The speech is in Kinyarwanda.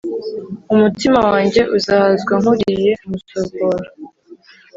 Umutima wanjye uzahazwa nk uriye umusokoro